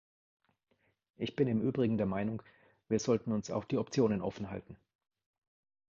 Ich bin im Übrigen der Meinung, wir sollten uns auch die Optionen offen halten.